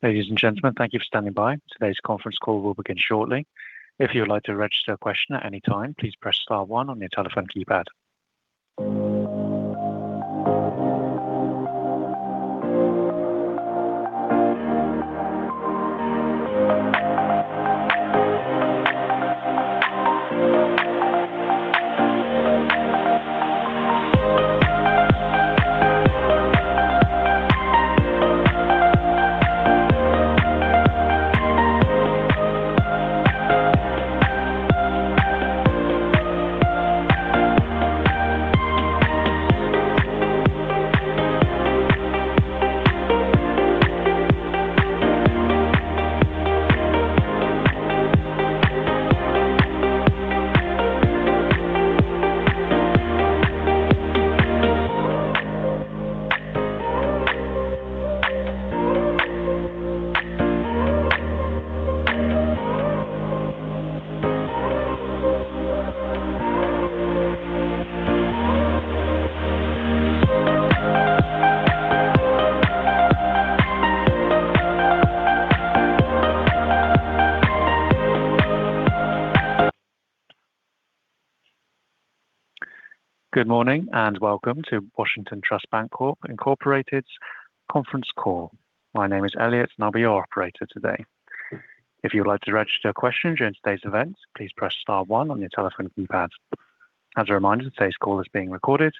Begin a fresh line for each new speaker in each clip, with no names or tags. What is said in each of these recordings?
Ladies and gentlemen thank you for standing by. Today's conference call will begin shortly. If you would like to register a question anytime please press star one on your telephone keypad. Good morning, and welcome to Washington Trust Bancorp Incorporated's conference call. My name is Elliot, and I'll be your operator today. If you would like to register a question during today's event, please press star one on your telephone keypad. As a reminder, today's call is being recorded.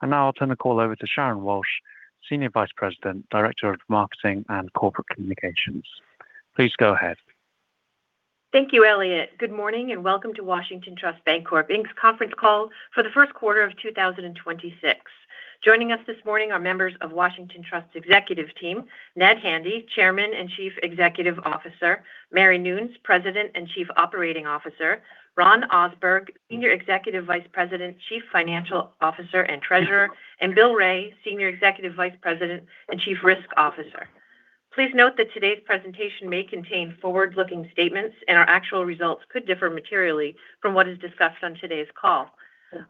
Now I'll turn the call over to Sharon Walsh, Senior Vice President, Director of Marketing and Corporate Communications. Please go ahead.
Thank you, Elliot. Good morning and welcome to Washington Trust Bancorp, Inc.'s conference call for the first quarter of 2026. Joining us this morning are members of Washington Trust's executive team, Ned Handy, Chairman and Chief Executive Officer, Mary Nunes, President and Chief Operating Officer, Ron Ohsberg, Senior Executive Vice President, Chief Financial Officer, and Treasurer, and Bill Wray, Senior Executive Vice President and Chief Risk Officer. Please note that today's presentation may contain forward-looking statements, and our actual results could differ materially from what is discussed on today's call.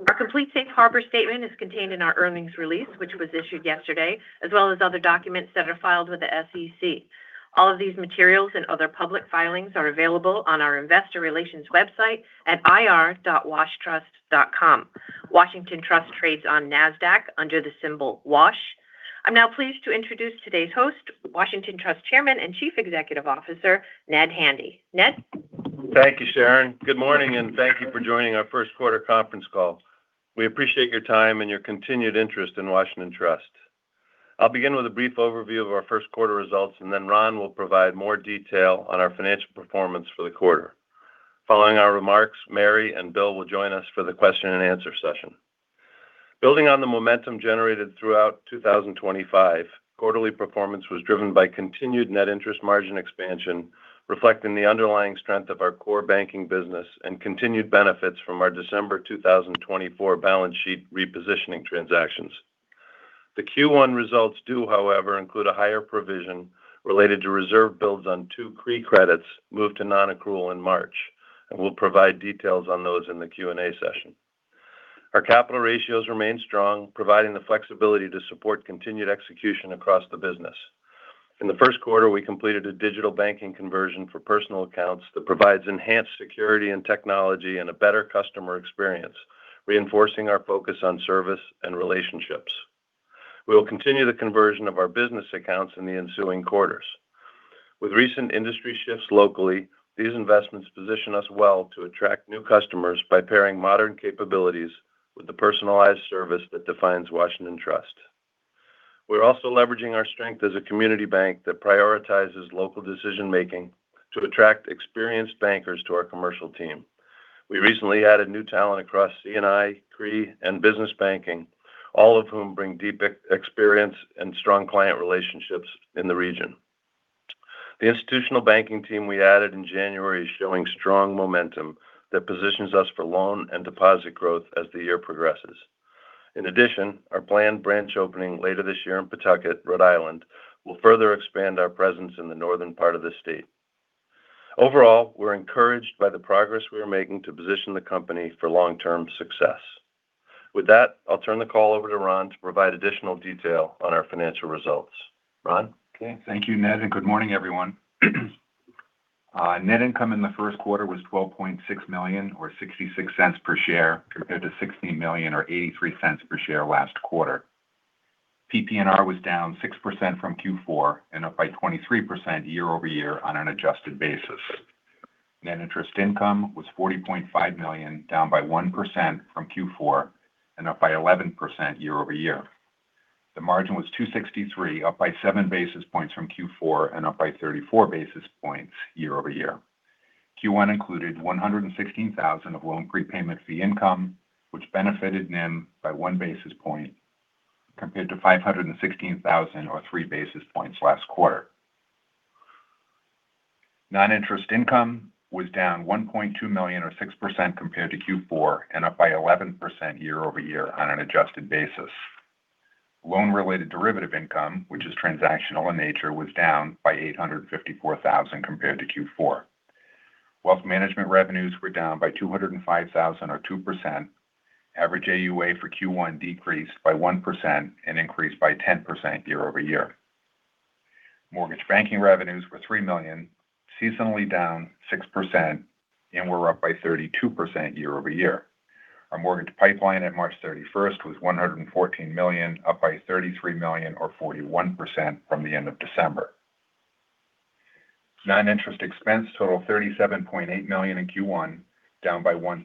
Our complete safe harbor statement is contained in our earnings release, which was issued yesterday, as well as other documents that are filed with the SEC. All of these materials and other public filings are available on our investor relations website at ir.washtrust.com. Washington Trust trades on NASDAQ under the symbol WASH. I'm now pleased to introduce today's host, Washington Trust Chairman and Chief Executive Officer, Ned Handy. Ned?
Thank you, Sharon. Good morning, and thank you for joining our first quarter conference call. We appreciate your time and your continued interest in Washington Trust. I'll begin with a brief overview of our first quarter results, and then Ron will provide more detail on our financial performance for the quarter. Following our remarks, Mary and Bill will join us for the question and answer session. Building on the momentum generated throughout 2025, quarterly performance was driven by continued net interest margin expansion, reflecting the underlying strength of our core banking business and continued benefits from our December 2024 balance sheet repositioning transactions. The Q1 results do, however, include a higher provision related to reserve builds on two CRE credits moved to non-accrual in March, and we'll provide details on those in the Q&A session. Our capital ratios remain strong, providing the flexibility to support continued execution across the business. In the first quarter, we completed a digital banking conversion for personal accounts that provides enhanced security and technology and a better customer experience, reinforcing our focus on service and relationships. We will continue the conversion of our business accounts in the ensuing quarters. With recent industry shifts locally, these investments position us well to attract new customers by pairing modern capabilities with the personalized service that defines Washington Trust. We're also leveraging our strength as a community bank that prioritizes local decision-making to attract experienced bankers to our commercial team. We recently added new talent across C&I, CRE, and business banking, all of whom bring deep experience and strong client relationships in the region. The institutional banking team we added in January is showing strong momentum that positions us for loan and deposit growth as the year progresses. In addition, our planned branch opening later this year in Pawtucket, Rhode Island, will further expand our presence in the northern part of the state. Overall, we're encouraged by the progress we are making to position the company for long-term success. With that, I'll turn the call over to Ron to provide additional detail on our financial results. Ron?
Okay. Thank you, Ned, and good morning, everyone. Net income in the first quarter was $12.6 million or $0.66 per share compared to $16 million or $0.83 per share last quarter. PPNR was down 6% from Q4 and up by 23% year-over-year on an adjusted basis. Net interest income was $40.5 million, down by 1% from Q4 and up by 11% year-over-year. The margin was 263, up by seven basis points from Q4 and up by 34 basis points year-over-year. Q1 included $116,000 of loan prepayment fee income, which benefited NIM by one basis point compared to $516,000 or three basis points last quarter. Non-interest income was down $1.2 million or 6% compared to Q4 and up by 11% year-over-year on an adjusted basis. Loan-related derivative income, which is transactional in nature, was down by $854,000 compared to Q4. Wealth management revenues were down by $205,000 or 2%. Average AUA for Q1 decreased by 1% and increased by 10% year-over-year. Mortgage banking revenues were $3 million, seasonally down 6%, and were up by 32% year-over-year. Our mortgage pipeline at March 31st was $114 million, up by $33 million or 41% from the end of December. Non-interest expense totaled $37.8 million in Q1, down by 1%.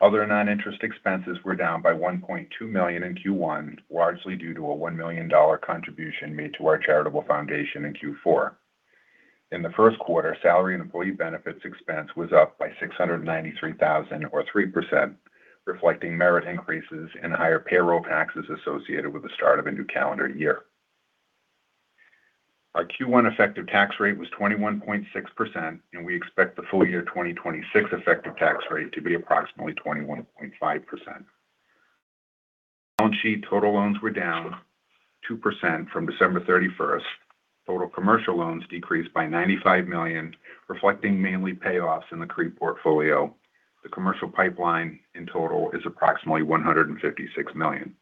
Other non-interest expenses were down by $1.2 million in Q1, largely due to a $1 million contribution made to our charitable foundation in Q4. In the first quarter, salary and employee benefits expense was up by $693,000 or 3%, reflecting merit increases and higher payroll taxes associated with the start of a new calendar year. Our Q1 effective tax rate was 21.6%, and we expect the full year 2026 effective tax rate to be approximately 21.5%. Balance sheet total loans were down 2% from December 31st. Total commercial loans decreased by $95 million, reflecting mainly payoffs in the CRE portfolio. The commercial pipeline in total is approximately $156 million.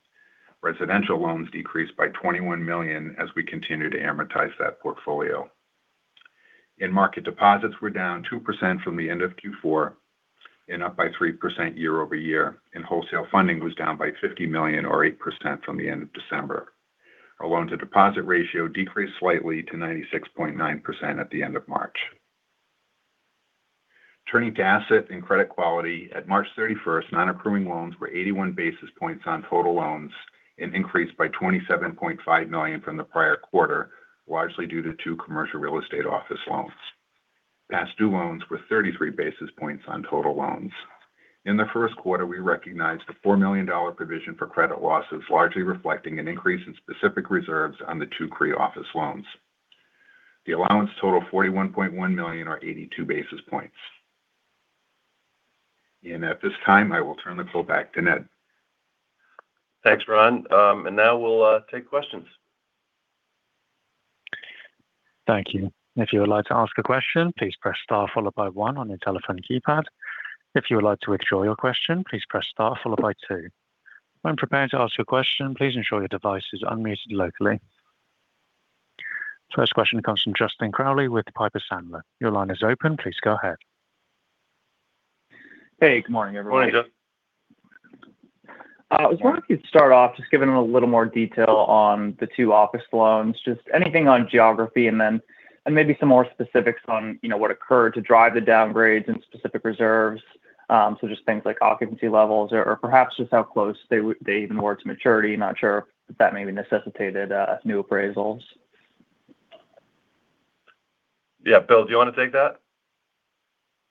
Residential loans decreased by $21 million as we continue to amortize that portfolio. Market deposits were down 2% from the end of Q4 and up by 3% year-over-year, and wholesale funding was down by $50 million or 8% from the end of December. Our loan to deposit ratio decreased slightly to 96.9% at the end of March. Turning to asset and credit quality, at March 31st, non-accruing loans were 81 basis points on total loans and increased by $27.5 million from the prior quarter, largely due to two commercial real estate office loans. Past due loans were 33 basis points on total loans. In the first quarter, we recognized a $4 million provision for credit losses, largely reflecting an increase in specific reserves on the two CRE office loans. The allowance totals $41.1 million or 82 basis points. At this time, I will turn the call back to Ned.
Thanks, Ron. Now we'll take questions.
Thank you. If you would like to ask a question, please press star followed by one on your telephone keypad. If you would like to withdraw your question, please press star followed by two. When preparing to ask your question, please ensure your device is unmuted locally. First question comes from Justin Crowley with Piper Sandler. Your line is open. Please go ahead.
Hey, good morning, everyone.
Morning, Justin.
I was wondering if you could start off just giving a little more detail on the two office loans, just anything on geography and maybe some more specifics on what occurred to drive the downgrades and specific reserves. Just things like occupancy levels or perhaps just how close they even were to maturity. Not sure if that maybe necessitated new appraisals.
Yeah. Bill, do you want to take that?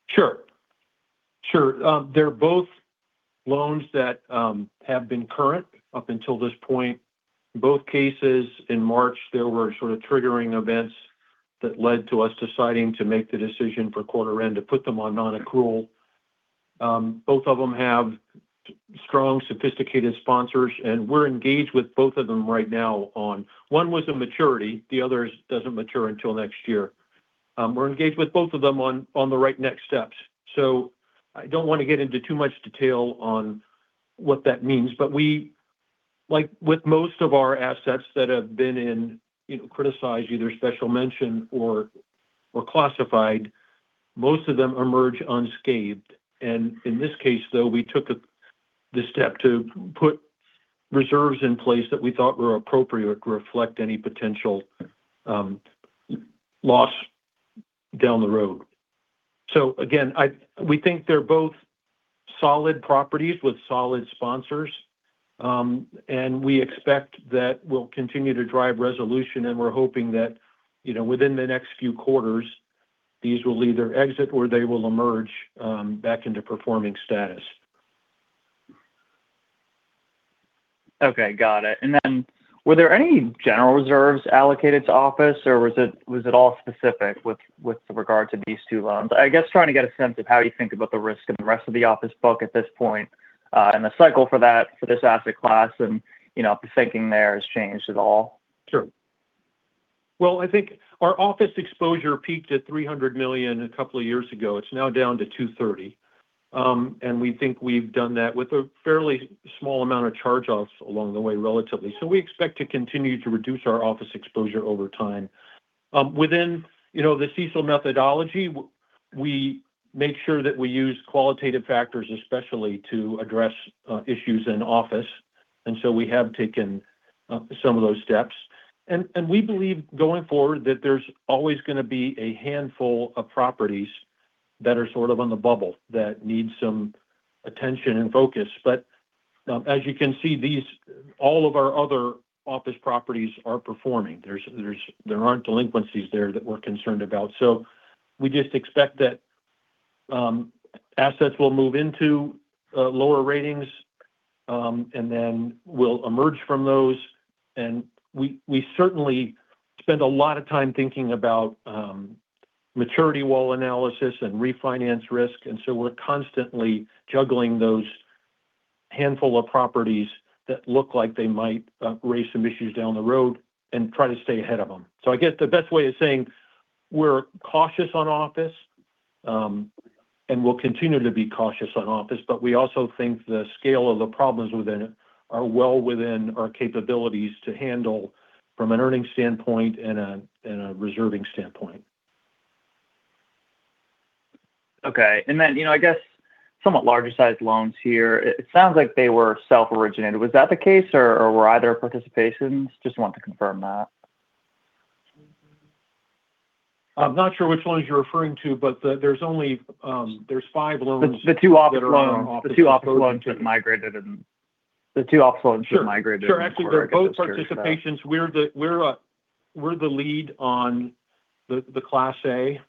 Sure. They're both loans that have been current up until this point. Both cases in March, there were sort of triggering events that led to us deciding to make the decision for quarter end to put them on non-accrual. Both of them have strong, sophisticated sponsors, and we're engaged with both of them right now on, one was a maturity, the other doesn't mature until next year. We're engaged with both of them on the right next steps. I don't want to get into too much detail on what that means. Like with most of our assets that have been in criticized, either special mention or classified, most of them emerge unscathed. In this case, though, we took the step to put reserves in place that we thought were appropriate to reflect any potential loss down the road. Again, we think they're both solid properties with solid sponsors. We expect that we'll continue to drive resolution, and we're hoping that within the next few quarters, these will either exit or they will emerge back into performing status.
Okay. Got it. Were there any general reserves allocated to office or was it all specific with regard to these two loans? I guess trying to get a sense of how you think about the risk in the rest of the office book at this point, and the cycle for this asset class and if the thinking there has changed at all.
Sure. Well, I think our office exposure peaked at $300 million a couple of years ago. It's now down to $230 million. We think we've done that with a fairly small amount of charge-offs along the way, relatively. We expect to continue to reduce our office exposure over time. Within the CECL methodology, we make sure that we use qualitative factors, especially to address issues in office. We have taken some of those steps. We believe going forward that there's always going to be a handful of properties that are sort of on the bubble that need some attention and focus. As you can see, all of our other office properties are performing. There aren't delinquencies there that we're concerned about. We just expect that assets will move into lower ratings, and then will emerge from those. We certainly spend a lot of time thinking about maturity wall analysis and refinance risk, and so we're constantly juggling those handful of properties that look like they might raise some issues down the road and try to stay ahead of them. I guess the best way is saying we're cautious on office, and we'll continue to be cautious on office, but we also think the scale of the problems within it are well within our capabilities to handle from an earnings standpoint and a reserving standpoint.
Okay. I guess somewhat larger sized loans here. It sounds like they were self-originated. Was that the case or were they participations? Just want to confirm that.
I'm not sure which ones you're referring to, but there's only five loans.
The two office loans that migrated and.
Sure. Actually, they're both participations. We're the lead on the Class A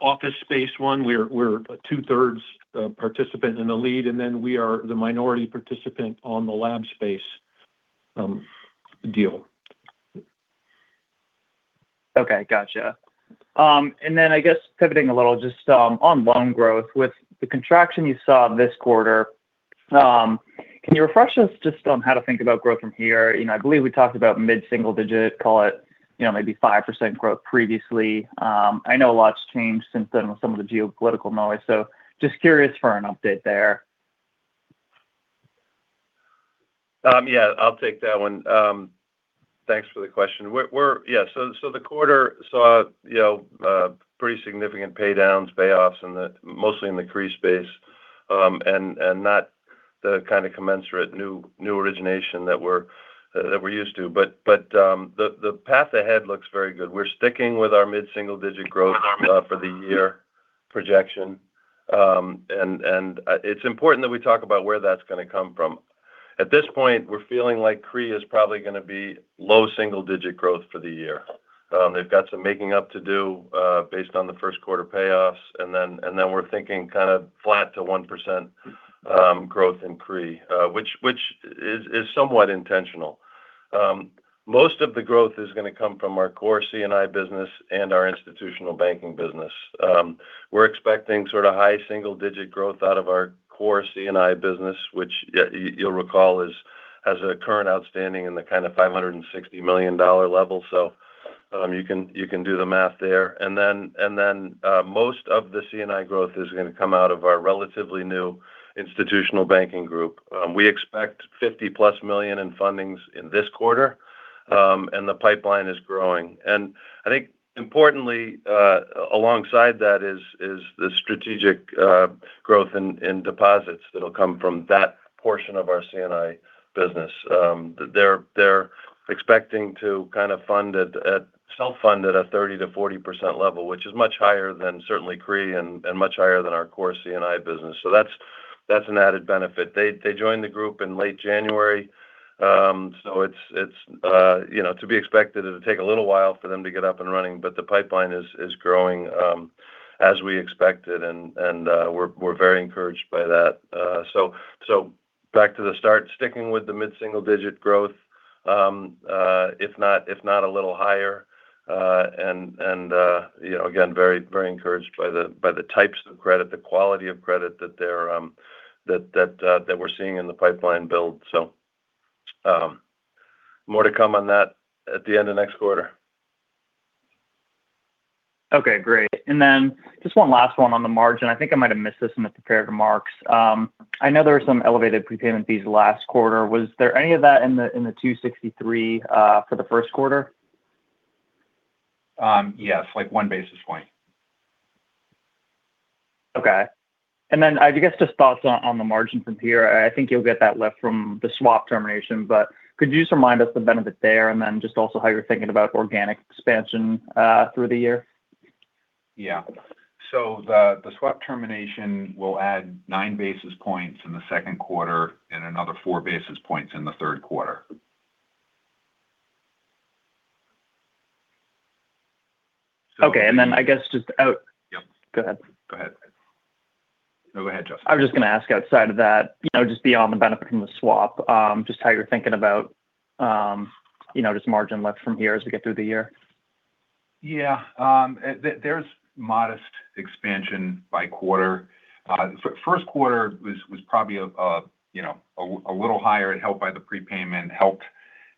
office space one. We're a 2/3 participant in the lead, and then we are the minority participant on the lab space deal.
Okay, got you. I guess pivoting a little just on loan growth with the contraction you saw this quarter, can you refresh us just on how to think about growth from here? I believe we talked about mid-single digit, call it maybe 5% growth previously. I know a lot's changed since then with some of the geopolitical noise, so just curious for an update there.
Yeah, I'll take that one. Thanks for the question. The quarter saw pretty significant pay-downs, payoffs mostly in the CRE space, and not the kind of commensurate new origination that we're used to. The path ahead looks very good. We're sticking with our mid-single digit growth for the year projection. It's important that we talk about where that's going to come from. At this point, we're feeling like CRE is probably going to be low single digit growth for the year. They've got some making up to do based on the first quarter payoffs. Then we're thinking kind of flat to 1% growth in CRE, which is somewhat intentional. Most of the growth is going to come from our core C&I business and our institutional banking business. We're expecting sort of high single-digit growth out of our core C&I business, which you'll recall has a current outstanding in the kind of $560 million level. You can do the math there. Most of the C&I growth is going to come out of our relatively new institutional banking group. We expect $50+ million in fundings in this quarter, and the pipeline is growing. I think importantly, alongside that is the strategic growth in deposits that'll come from that portion of our C&I business. They're expecting to self-fund at a 30%-40% level, which is much higher than certainly CRE and much higher than our core C&I business. That's an added benefit. They joined the group in late January. To be expected, it'll take a little while for them to get up and running, but the pipeline is growing, as we expected and we're very encouraged by that. Back to the start, sticking with the mid-single digit growth, if not a little higher. Again, very encouraged by the types of credit, the quality of credit that we're seeing in the pipeline build. More to come on that at the end of next quarter.
Okay, great. Just one last one on the margin. I think I might have missed this in the prepared remarks. I know there were some elevated prepayment fees last quarter. Was there any of that in the $263 for the first quarter?
Yes, like 1 basis point.
Okay. I guess just thoughts on the margin from here. I think you'll get that lift from the swap termination, but could you just remind us the benefit there and then just also how you're thinking about organic expansion through the year?
Yeah. The swap termination will add 9 basis points in the second quarter and another 4 basis points in the third quarter.
Okay. I guess just out-
Yep.
Go ahead.
Go ahead. No, go ahead, Justin.
I was just going to ask outside of that, just beyond the benefit from the swap, just how you're thinking about just margin lift from here as we get through the year.
Yeah. There's modest expansion by quarter. First quarter was probably a little higher and helped by the prepayment,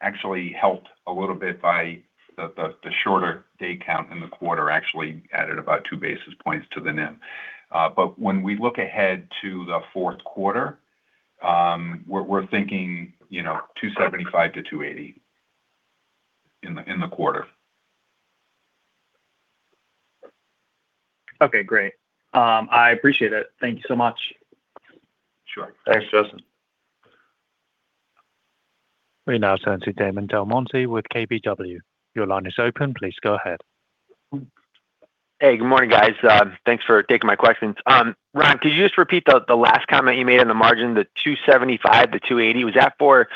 actually helped a little bit by the shorter day count in the quarter, actually added about 2 basis points to the NIM. When we look ahead to the fourth quarter, we're thinking 275-280 in the quarter.
Okay, great. I appreciate it. Thank you so much.
Sure. Thanks, Justin.
We now turn to Damon DelMonte with KBW. Your line is open. Please go ahead.
Hey, good morning, guys. Thanks for taking my questions. Ron, could you just repeat the last comment you made on the margin, the 275-280? Was that for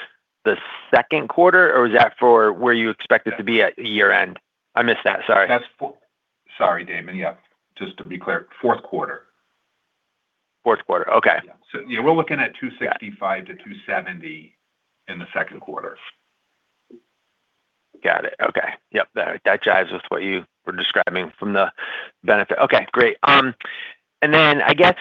the second quarter, or was that for where you expect it to be at year-end? I missed that, sorry.
Sorry, Damon. Yeah. Just to be clear, fourth quarter.
Fourth quarter, okay.
Yeah. We're looking at 265-270 in the second quarter.
Got it. Okay. Yep. That jives with what you were describing from the benefit. Okay, great. Then I guess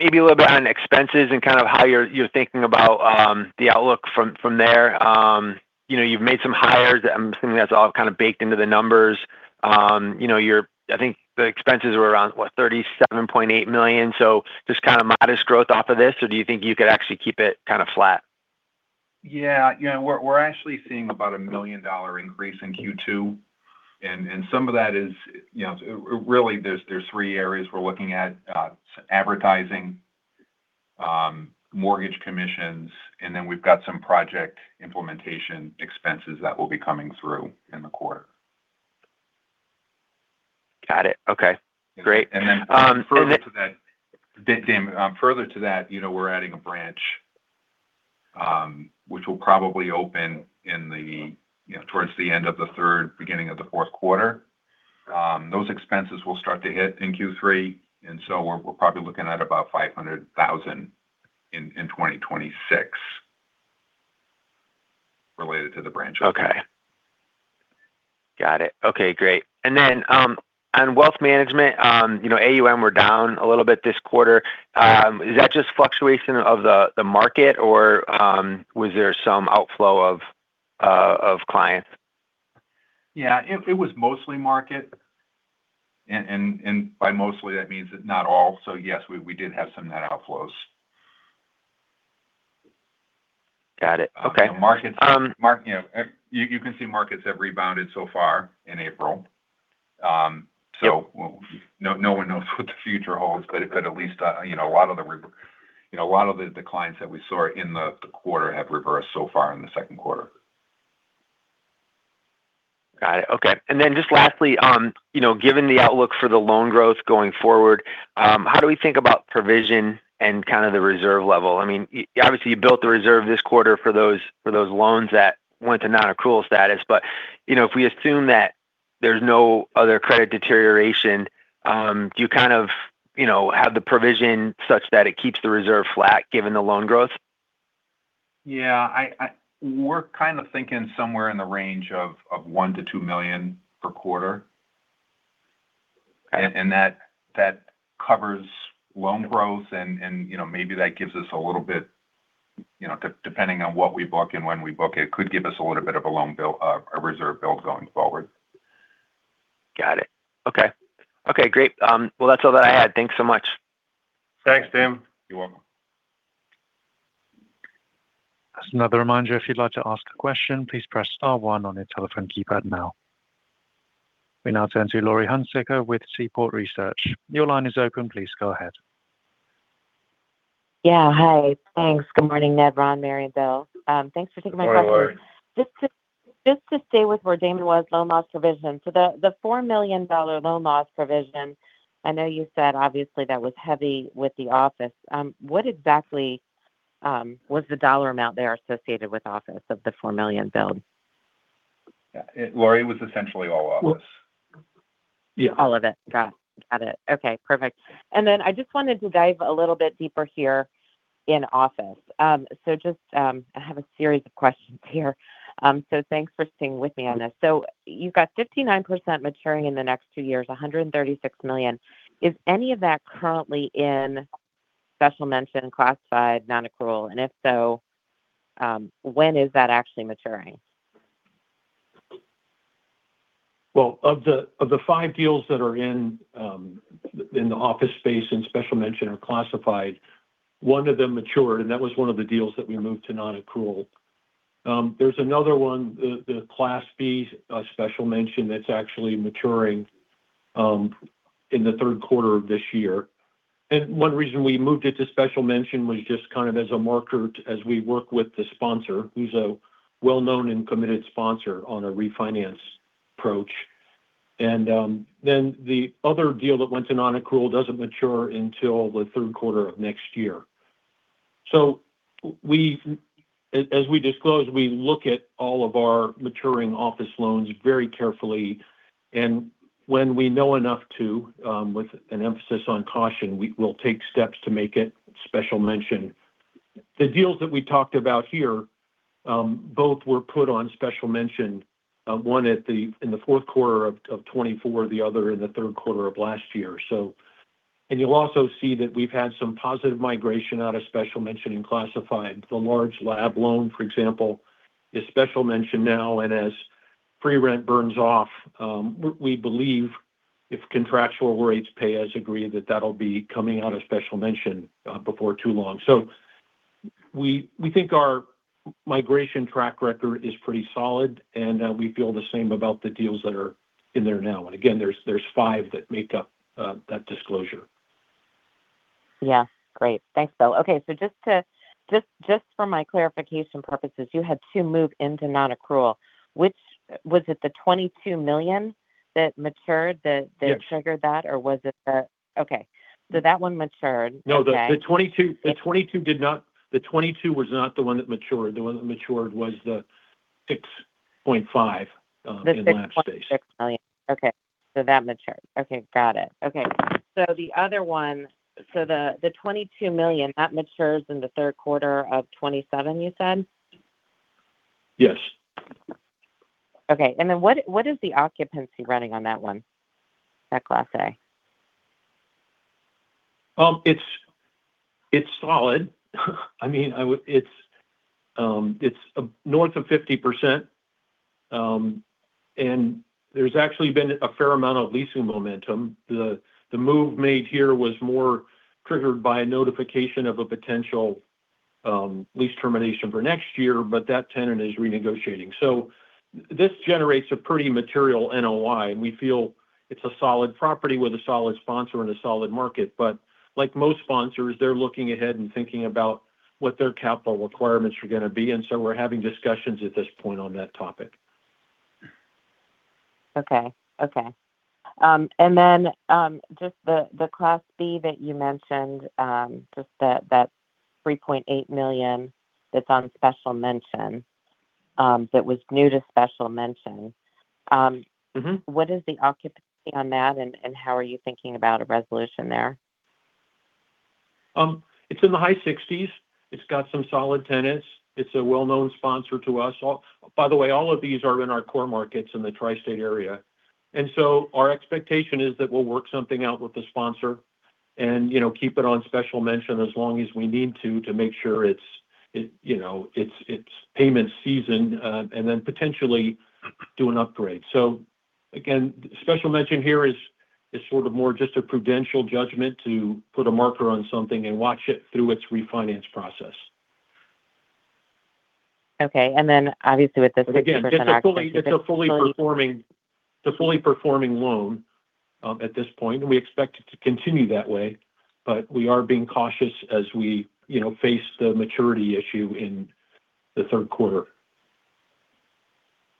maybe a little bit on expenses and kind of how you're thinking about the outlook from there. You've made some hires. I'm assuming that's all kind of baked into the numbers. I think the expenses were around, what? $37.8 million. Just kind of modest growth off of this? Or do you think you could actually keep it kind of flat?
Yeah. We're actually seeing about a $1 million increase in Q2, and some of that is really from three areas we're looking at. Advertising, mortgage commissions, and then we've got some project implementation expenses that will be coming through in the quarter.
Got it. Okay, great.
Further to that, Damon, we're adding a branch which will probably open towards the end of the third, beginning of the fourth quarter. Those expenses will start to hit in Q3, and so we're probably looking at about $500,000 in 2026 related to the branch.
Okay. Got it. Okay, great. On wealth management, AUM were down a little bit this quarter.
Yeah.
Is that just fluctuation of the market or was there some outflow of clients?
Yeah. It was mostly market. By mostly, that means that not all. Yes, we did have some net outflows.
Got it. Okay.
You can see markets have rebounded so far in April.
Yep.
No one knows what the future holds, but at least a lot of the declines that we saw in the quarter have reversed so far in the second quarter.
Got it. Okay. Just lastly, given the outlook for the loan growth going forward, how do we think about provision and kind of the reserve level? I mean, obviously you built the reserve this quarter for those loans that went to non-accrual status. If we assume that there's no other credit deterioration, do you kind of have the provision such that it keeps the reserve flat given the loan growth?
Yeah. We're kind of thinking somewhere in the range of $1 million-$2 million per quarter.
Okay.
That covers loan growth and maybe that gives us a little bit, depending on what we book and when we book it, could give us a little bit of a reserve build going forward.
Got it. Okay. Okay, great. Well, that's all that I had. Thanks so much.
Thanks, Damon.
You're welcome.
Just another reminder, if you'd like to ask a question, please press star one on your telephone keypad now. We now turn to Laurie Hunsicker with Seaport Research. Your line is open. Please go ahead.
Yeah. Hi. Thanks. Good morning, Ned, Ron, Mary, and Bill. Thanks for taking my call.
Good morning, Laurie.
Just to stay with where Damon was, loan loss provision. The $4 million loan loss provision, I know you said obviously that was heavy with the office. What exactly was the dollar amount there associated with office of the $4 million, Bill?
Laurie, it was essentially all office.
All of it? Got it. Okay, perfect. Then I just wanted to dive a little bit deeper here in office. I have a series of questions here, so thanks for staying with me on this. You've got 59% maturing in the next two years, $136 million. Is any of that currently in special mention, classified, non-accrual, and if so, when is that actually maturing?
Well, of the five deals that are in the office space and special mention or classified, one of them matured, and that was one of the deals that we moved to non-accrual. There's another one, the Class B special mention, that's actually maturing in the third quarter of this year. One reason we moved it to special mention was just kind of as a marker as we work with the sponsor, who's a well-known and committed sponsor on a refinance approach. The other deal that went to non-accrual doesn't mature until the third quarter of next year. As we disclose, we look at all of our maturing office loans very carefully, and when we know enough to, with an emphasis on caution, we'll take steps to make it special mention. The deals that we talked about here, both were put on special mention. One in the fourth quarter of 2024, the other in the third quarter of last year. You'll also see that we've had some positive migration out of special mention in classified. The large lab loan, for example, is special mention now, and as free rent burns off, we believe if contractual rents pay as agreed, that'll be coming out of special mention before too long. We think our migration track record is pretty solid, and we feel the same about the deals that are in there now. Again, there's five that make up that disclosure.
Yeah. Great. Thanks, Bill. Okay. Just for my clarification purposes, you had two move into non-accrual. Was it the $22 million that matured-
Yes
What triggered that? Okay. That one matured.
No, the $22 million was not the one that matured. The one that matured was the $6.05 million in the lab space.
$6 million. Okay, so that matures. Okay, got it. Okay. So the other one, so the $22 million, that matures in the third quarter of 2027, you said?
Yes.
Okay. What is the occupancy running on that one, that Class A?
It's solid. I mean, it's north of 50%, and there's actually been a fair amount of leasing momentum. The move made here was more triggered by a notification of a potential lease termination for next year, but that tenant is renegotiating. This generates a pretty material NOI, and we feel it's a solid property with a solid sponsor in a solid market. Like most sponsors, they're looking ahead and thinking about what their capital requirements are going to be, and so we're having discussions at this point on that topic.
Okay. Just the Class B that you mentioned, just that $3.8 million that's on special mention, that was new to special mention.
Mm-hmm.
What is the occupancy on that, and how are you thinking about a resolution there?
It's in the high sixties. It's got some solid tenants. It's a well-known sponsor to us. By the way, all of these are in our core markets in the tri-state area. Our expectation is that we'll work something out with the sponsor and keep it on special mention as long as we need to make sure its payment season, and then potentially do an upgrade. Again, special mention here is sort of more just a prudential judgment to put a marker on something and watch it through its refinance process.
Okay. Obviously...
Again, it's a fully performing loan at this point, and we expect it to continue that way. We are being cautious as we face the maturity issue in the third quarter.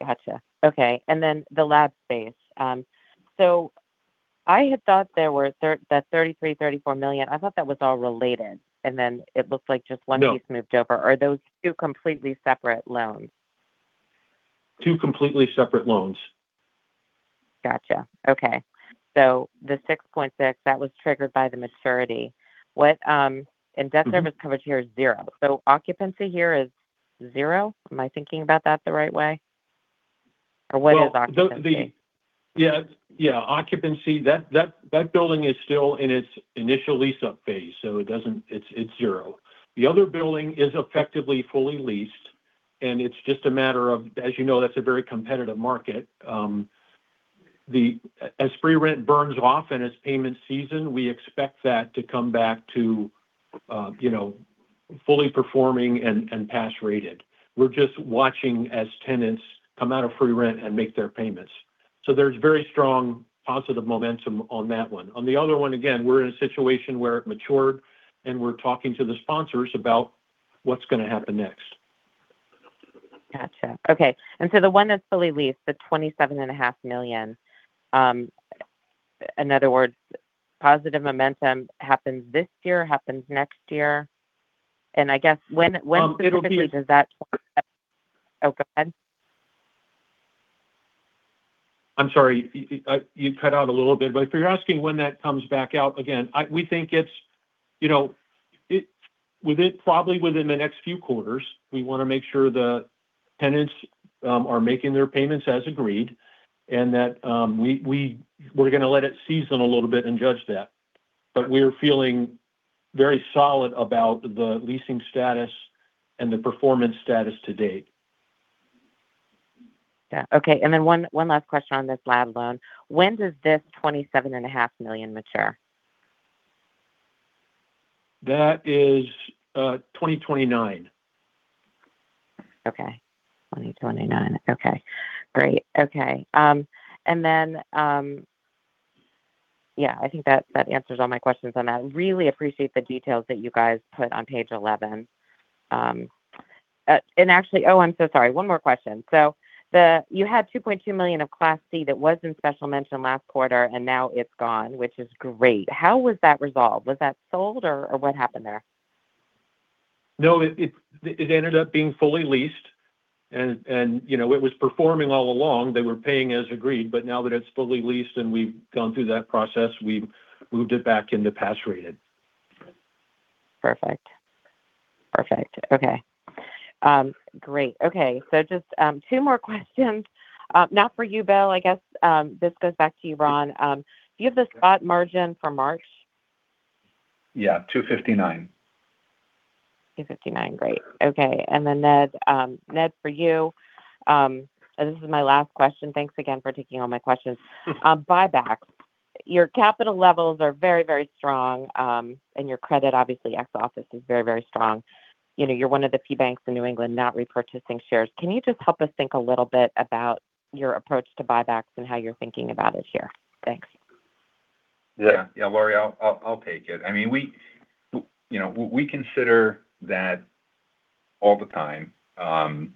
Got you. Okay. The lab space. I had thought that $33 million-$34 million, I thought that was all related. It looks like just one-
No.
Piece moved over. Are those two completely separate loans?
Two completely separate loans.
Got you. Okay. The $6.6 million, that was triggered by the maturity.
Mm-hmm.
Debt service coverage here is zero. Occupancy here is zero? Am I thinking about that the right way? What is occupancy?
Yeah. Occupancy, that building is still in its initial lease-up phase, so it's zero. The other building is effectively fully leased, and it's just a matter of, as you know, that's a very competitive market. As free rent burns off and as payments season, we expect that to come back to fully performing and pass rated. We're just watching as tenants come out of free rent and make their payments. There's very strong positive momentum on that one. On the other one, again, we're in a situation where it matured, and we're talking to the sponsors about what's going to happen next.
Got you. Okay. The one that's fully leased, the $27.5 million. In other words, positive momentum happens this year, happens next year? I guess when specifically does that. Oh, go ahead.
I'm sorry. You cut out a little bit. If you're asking when that comes back out again, we think it's probably within the next few quarters. We want to make sure the tenants are making their payments as agreed, and that we're going to let it season a little bit and judge that. We're feeling very solid about the leasing status and the performance status to date.
Yeah. Okay. One last question on this lab loan. When does this $27.5 million mature?
That is 2029.
Okay. 2029. Okay. Great. Okay. Yeah, I think that answers all my questions on that. Really appreciate the details that you guys put on page 11. Actually, oh, I'm so sorry. One more question. You had $2.2 million of Class C that was in special mention last quarter, and now it's gone, which is great. How was that resolved? Was that sold, or what happened there?
No, it ended up being fully leased. It was performing all along. They were paying as agreed, but now that it's fully leased and we've gone through that process, we've moved it back into pass rated.
Perfect. Okay. Great. Okay. Just two more questions. Not for you, Bill. I guess, this goes back to you, Ron. Do you have the spot margin for March?
Yeah. 259.
2:59. Great. Okay. Ned, for you, this is my last question. Thanks again for taking all my questions. Buybacks. Your capital levels are very, very strong. Your credit, obviously, ex office, is very, very strong. You're one of the few banks in New England not repurchasing shares. Can you just help us think a little bit about your approach to buybacks and how you're thinking about it here? Thanks.
Yeah. Laurie, I'll take it. We consider that all the time, and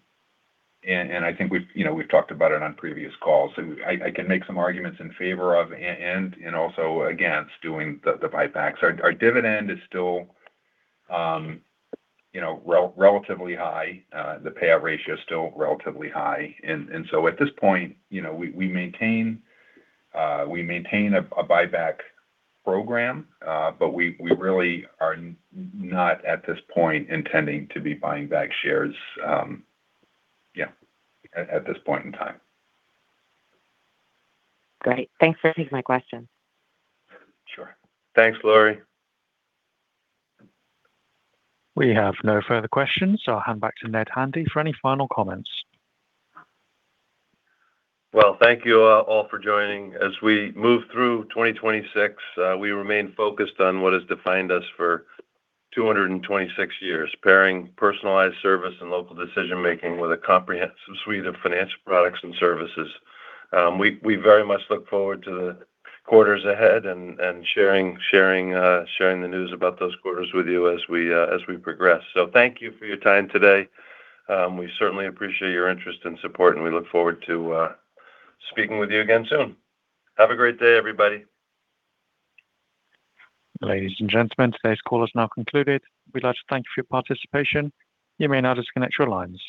I think we've talked about it on previous calls. I can make some arguments in favor of and also against doing the buybacks. Our dividend is still relatively high. The payout ratio is still relatively high. At this point, we maintain a buyback program. We really are not at this point intending to be buying back shares, yeah, at this point in time.
Great. Thanks for taking my question.
Sure.
Thanks, Laurie.
We have no further questions, so I'll hand back to Ned Handy for any final comments.
Well, thank you all for joining. As we move through 2026, we remain focused on what has defined us for 226 years, pairing personalized service and local decision-making with a comprehensive suite of financial products and services. We very much look forward to the quarters ahead and sharing the news about those quarters with you as we progress. Thank you for your time today. We certainly appreciate your interest and support, and we look forward to speaking with you again soon. Have a great day, everybody.
Ladies and gentlemen, today's call is now concluded. We'd like to thank you for your participation. You may now disconnect your lines.